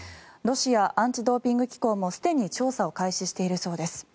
ロシアアンチ・ドーピング機構もすでに調査を開始しているそうです。